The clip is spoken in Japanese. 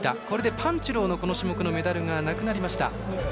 これでパンテュローのこの種目のメダルなくなりました。